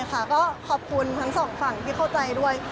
เข้าใจค่ะก็ขอบคุณทั้งสองฝ่างที่เข้าใจด้วย